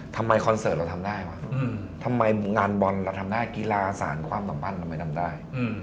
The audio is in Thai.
คอนเสิร์ตเราทำได้วะทำไมงานบอลเราทำได้กีฬาสารความสัมพันธ์เราไม่ทำได้